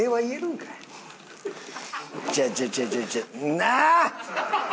なあ！